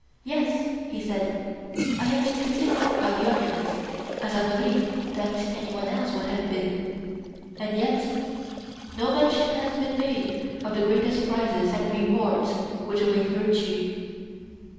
Yes, he said; I have been convinced by the argument, as I believe that any one else would have been. And yet no mention has been made of the greatest prizes and rewards which await virtue.